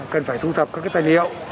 cần phải thu thập các tài liệu